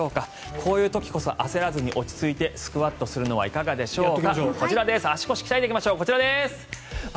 こういう時こそ焦らずに落ち着いてスクワットするのはいかがでしょうか。